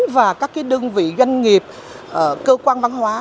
và các đơn vị doanh nghiệp cơ quan văn hóa